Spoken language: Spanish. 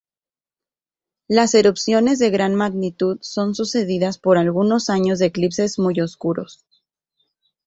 Las erupciones de gran magnitud son sucedidas por algunos años de eclipses muy oscuros.